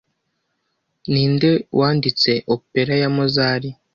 Ninde wanditse opera ya mozari